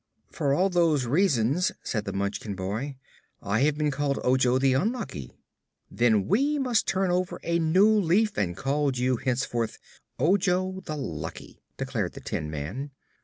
"For all those reasons," said the Munchkin boy, "I have been called Ojo the Unlucky." "Then we must turn over a new leaf and call you henceforth Ojo the Lucky," declared the tin man.